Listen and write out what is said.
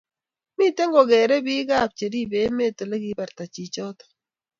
miten kogeerei Biko cheribe emet olegigibarta chichoto